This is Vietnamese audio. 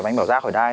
và anh bảo ra khỏi đai